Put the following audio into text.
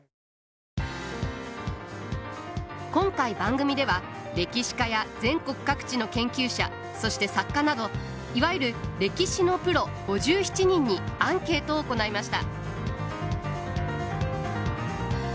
今回番組では歴史家や全国各地の研究者そして作家などいわゆる歴史のプロ５７人にアンケートを行いました。